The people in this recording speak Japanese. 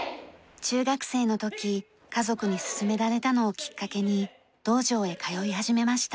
中学生の時家族に勧められたのをきっかけに道場へ通い始めました。